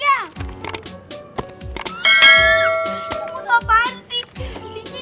kamu tuh apaan sih